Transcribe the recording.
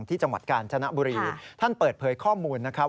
จังหวัดกาญจนบุรีท่านเปิดเผยข้อมูลนะครับ